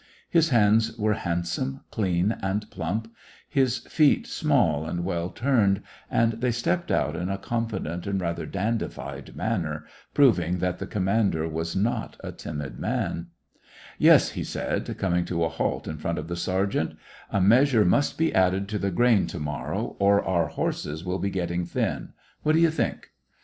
His hands were handsome, clean, and plump ; his feet small and well turned, and they stepped out in a confident and rather dandified manner, prov ing that the commander was not a timid man. Yes," he said, coming to a halt in front of the 1 84 SEVASTOPOL IN AUGUST. sergeant ;" a measure must be added to the grain to morrow, or our horses will be getting thin. What do you think?"